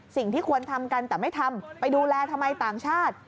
สิ่งที่ควรทำกันแต่ไม่ทำไปดูแลทำไมต่างชาติ